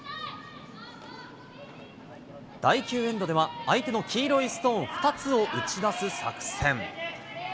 第９エンドでは、相手の黄色いストーン２つを打ち出す作戦。